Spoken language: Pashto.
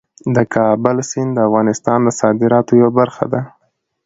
د کابل سیند د افغانستان د صادراتو یوه برخه ده.